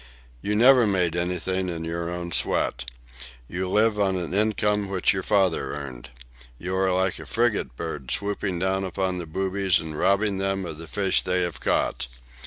You never made anything in your own sweat. You live on an income which your father earned. You are like a frigate bird swooping down upon the boobies and robbing them of the fish they have caught.